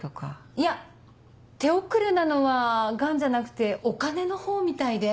いや手遅れなのはガンじゃなくてお金のほうみたいで。